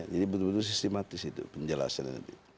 jadi benar benar sistematis itu penjelasannya